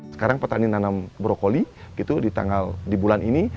sekarang petani nanam brokoli itu di tanggal di bulan ini